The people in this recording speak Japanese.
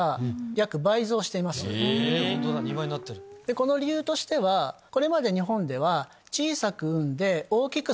この理由としてはこれまで日本では。